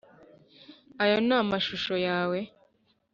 ayo ni amashusho yawe?